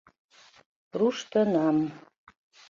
Руштынам.